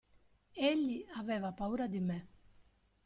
Egli aveva paura di me.